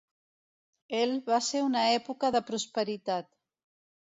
El va ser una època de prosperitat.